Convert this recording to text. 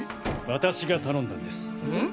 私が頼んだんです。